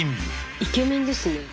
イケメンですね。